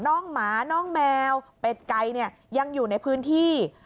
น้องหมาน้องแมวเป็ดไก่เนี่ยยังอยู่ในพื้นที่